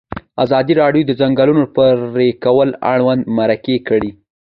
ازادي راډیو د د ځنګلونو پرېکول اړوند مرکې کړي.